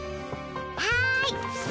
はい。